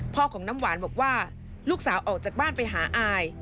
ของน้ำหวานบอกว่าลูกสาวออกจากบ้านไปหาอาย